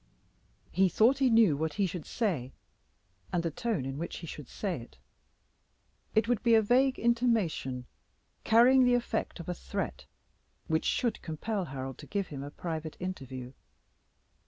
He thought he knew what he should say, and the tone in which he should say it. It would be a vague intimation, carrying the effect of a threat, which should compel Harold to give him a private interview.